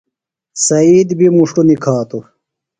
سعید بیۡ مُݜٹو نِکھاتُوۡ۔